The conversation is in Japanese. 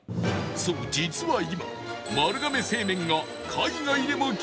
そう実は今丸亀製麺が